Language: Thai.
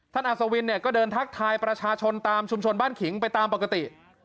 อัศวินเนี่ยก็เดินทักทายประชาชนตามชุมชนบ้านขิงไปตามปกติ